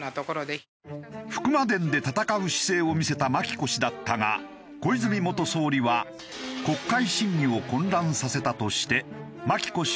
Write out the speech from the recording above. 伏魔殿で戦う姿勢を見せた眞紀子氏だったが小泉元総理は国会審議を混乱させたとして眞紀子氏を更迭した。